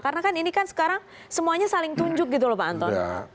karena kan ini kan sekarang semuanya saling tunjuk gitu loh pak anton